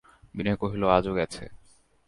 বিনয় কহিল, আজও গেছে।